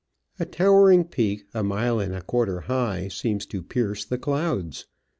A towering peak a mile and a quarter high seems to pierce the clouds.